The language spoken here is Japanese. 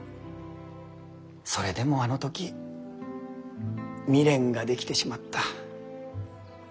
それでもあの時未練ができてしまった。